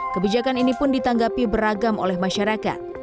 kebijakan ini pun ditanggapi beragam oleh masyarakat